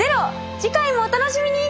次回もお楽しみに！